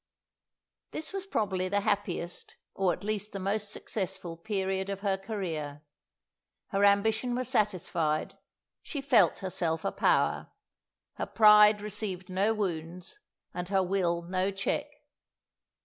This was probably the happiest, or at least the most successful, period of her career. Her ambition was satisfied she felt herself a power; her pride received no wounds, and her will no check.